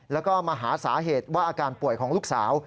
แล้วก็มาหาสาเหตุว่าอาการป่วยของลูกสาว